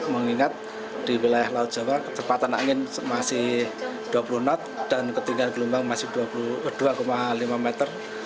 mengingat di wilayah laut jawa kecepatan angin masih dua puluh knot dan ketinggian gelombang masih dua lima meter